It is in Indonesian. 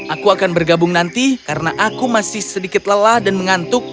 aku akan bergabung nanti karena aku masih sedikit lelah dan mengantuk